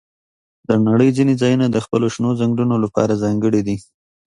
د نړۍ ځینې ځایونه د خپلو شنو ځنګلونو لپاره ځانګړي دي.